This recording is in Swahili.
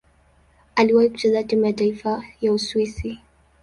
Aliwahi kucheza timu ya taifa ya Uswisi.